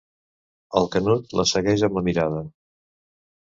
El Canut la segueix amb la mirada.